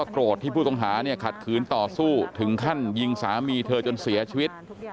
โกรธที่ผู้ต้องหาเนี่ยขัดขืนต่อสู้ถึงขั้นยิงสามีเธอจนเสียชีวิต